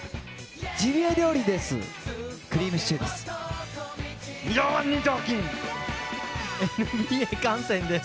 ジビエ料理です。